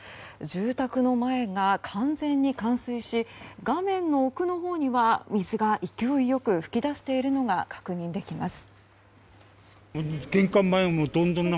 住宅の前が完全に冠水し画面の奥のほうには水が勢いよく噴き出しているのが確認できます。